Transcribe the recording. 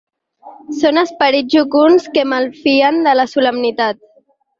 Són esperits jocunds que malfien de la solemnitat.